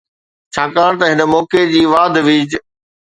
ڇاڪاڻ ته هن موقعي جي واڌ ويجهه